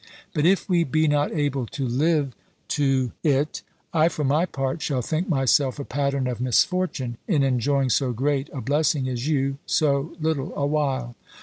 But if we be not able to live to it, I for my part shall think myself a pattern of misfortune, in enjoying so great a blessing as you, so little awhile.